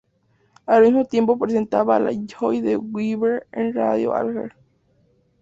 Al mismo tiempo presentaba "La Joie de vivre" en Radio-Alger.